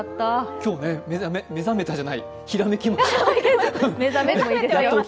今日ね、目覚めたじゃないひらめきました。